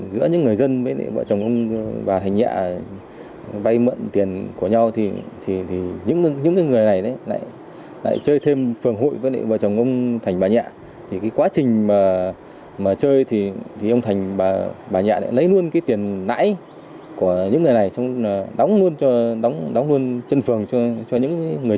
đóng luôn chân phường cho những người chơi